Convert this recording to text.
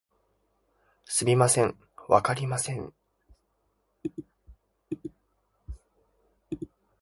すみません、わかりません